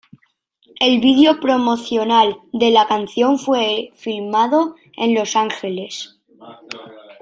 El video promocional de la canción fue filmado en Los Ángeles.